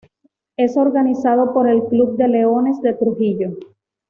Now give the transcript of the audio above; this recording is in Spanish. Es organizado por el Club de Leones de Trujillo.